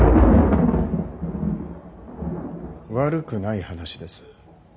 悪くない話です。